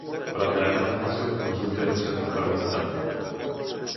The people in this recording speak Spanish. Para obtener más información consulte en los centros para visitantes.